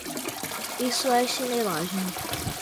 Isso é chinelagem...